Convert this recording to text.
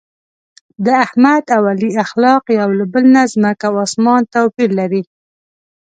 د احمد او علي اخلاق یو له بل نه ځمکه او اسمان توپیر لري.